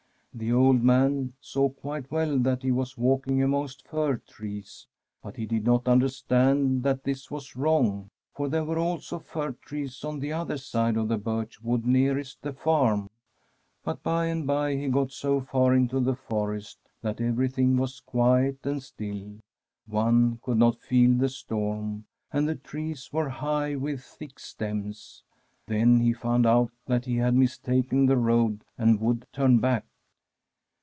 The old man saw quite well that he was walking amongst fir trees, but he did not understand that this was wrong, for there were also fir trees on the other side of the birch wood nearest the farm. But by and by he got so far into the forest that every thing was quiet and still — one could not feel the storm, and the trees were high with thick stems — then he found out that he had mistaken the road, and would turn back.